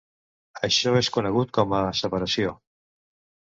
Això és conegut com a separació.